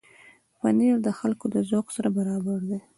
پنېر د خلکو د ذوق سره برابر دی.